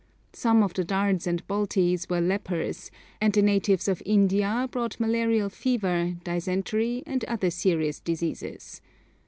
Some of the Dards and Baltis were lepers, and the natives of India brought malarial fever, dysentery, and other serious diseases.